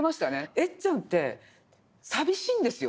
エッちゃんって寂しいんですよ。